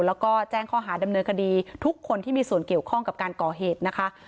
แล้วก็แจ้งข้อหาดำเนินคดีทุกคนที่มีส่วนเกี่ยวข้องกับการก่อเหตุนะคะ